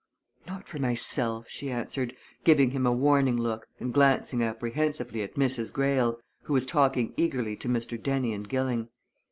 "Not for myself," she answered, giving him a warning look and glancing apprehensively at Mrs. Greyle, who was talking eagerly to Mr. Dennie and Gilling.